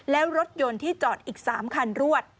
แล้วรถยนต์ที่จอดอีก๓คันรวด